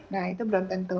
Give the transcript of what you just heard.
nah itu belum tentu